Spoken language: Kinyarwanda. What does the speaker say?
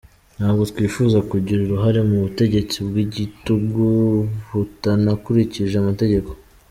Ntabwo twifuza kugira uruhare mu butegetsi bw’igitugu butanakurikije amategeko.